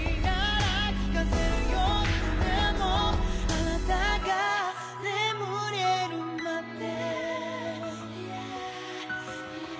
「あなたが眠れるまで」